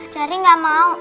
jerry gak mau